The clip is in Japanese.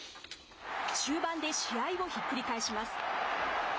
終盤で試合をひっくり返します。